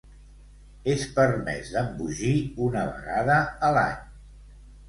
És permès d'embogir una vegada a l'any.